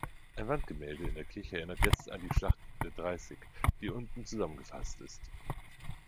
Ein Wandgemälde in der Kirche erinnert jetzt an die Schlacht der Dreißig, die unten zusammengefasst ist.